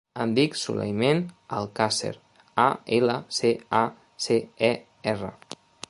Em dic Sulaiman Alcacer: a, ela, ce, a, ce, e, erra.